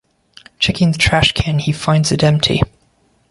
Checking the trash can, he finds it empty.